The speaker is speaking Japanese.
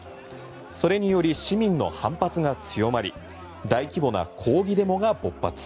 それにより市民の反発が強まり大規模な抗議デモが勃発。